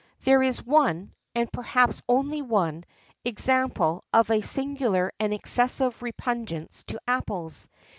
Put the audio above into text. There is one (and perhaps only one) example of a singular and excessive repugnance to apples.